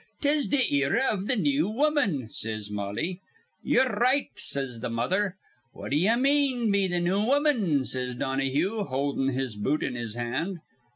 ''Tis th' era iv th' new woman,' says Mollie. 'Ye're right,' says th' mother. 'What d'ye mean be the new woman?' says Donahue, holdin' his boot in his hand.